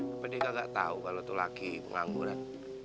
apa dia gak tau kalo tuh laki mengangguran